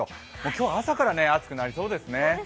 今日は朝から暑くなりそうですね。